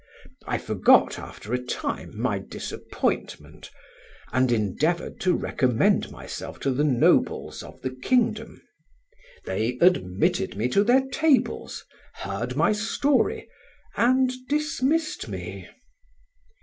I forgot, after a time, my disappointment, and endeavoured to recommend myself to the nobles of the kingdom; they admitted me to their tables, heard my story, and dismissed me.